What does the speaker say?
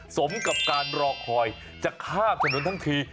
สมกับการรอคอยจะข้ามถนนทั้งที